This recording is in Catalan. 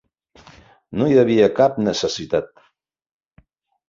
No hi havia cap necessitat.